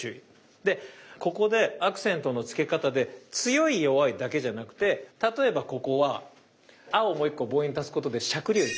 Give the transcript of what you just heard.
でここでアクセントの付け方で強い弱いだけじゃなくて例えばここは「あ」をもう１個母音足すことでしゃくりを入れる。